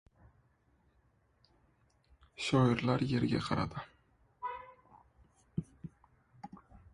Shoirlar yerga qaradi.